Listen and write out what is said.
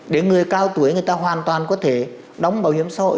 để người cao tuổi người ta hoàn toàn có thể đóng bảo hiểm xã hội